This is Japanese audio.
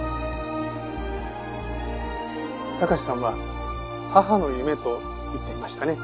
貴史さんは「母の夢」と言っていましたね。